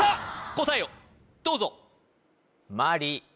答えをどうぞ